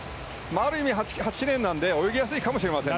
ある意味、８レーンなので泳ぎやすいかもしれませんね。